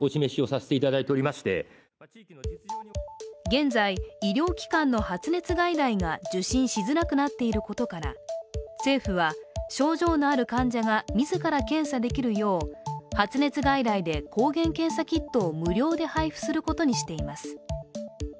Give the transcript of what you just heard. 現在、医療機関の発熱外来が受診しづらくなっていることから政府は症状のある患者が自ら検査できるよう発熱外来で抗原検査キットを無料で配布することにしています。